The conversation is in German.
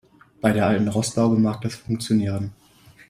Bei der alten Rostlaube mag das funktionieren.